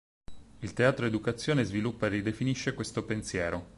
Il Teatro-Educazione sviluppa e ridefinisce questo pensiero.